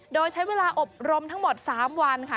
โดยใช้เวลาอบรมทั้งหมด๓วันค่ะ